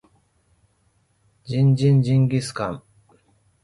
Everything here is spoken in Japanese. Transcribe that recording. ジンジンジンギスカン